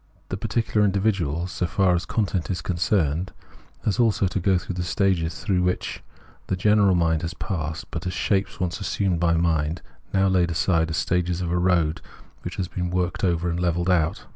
The particular individual, so far as content is concerned, has also to go through the stages through which the general mind has passed, but as shapes once assumed by mind and now laid aside, as stages of a road which has been worked over and levelled out.